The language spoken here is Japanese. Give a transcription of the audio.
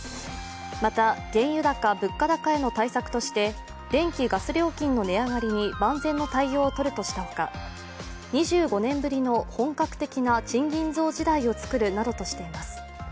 また、原油高・物価高への対策として電気・ガス料金の値上がりに万全の対応をとるとしたほか２５年ぶりの本格的な賃金増時代を作るなどとしています。